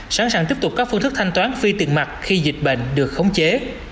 sẵn sàng tiếp tục các phương thức thanh toán phi tiền mặt khi dịch bệnh được khống chế